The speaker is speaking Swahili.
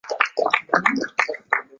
uhusiano baina ya nchi hizo mbili